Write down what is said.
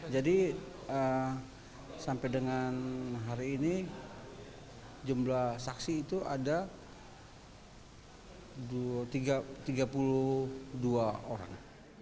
jadi sampai dengan hari ini jumlah saksi itu ada tiga puluh dua orang